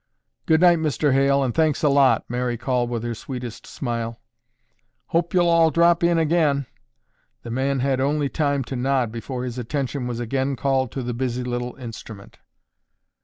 "Good night, Mr. Hale, and thanks a lot," Mary called with her sweetest smile. "Hope you'll all drop in again." The man had only time to nod before his attention was again called to the busy little instrument.